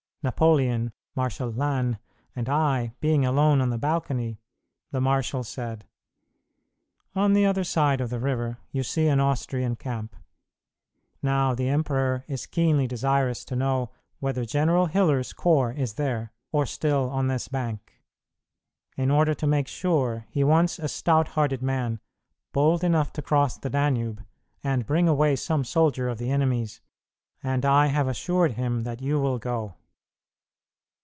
Napoleon, Marshal Lannes, and I being alone on the balcony, the marshal said, "On the other side of the river you see an Austrian camp. Now, the emperor is keenly desirous to know whether General Hiller's corps is there, or still on this bank. In order to make sure he wants a stout hearted man, bold enough to cross the Danube, and bring away some soldier of the enemy's, and I have assured him that you will go."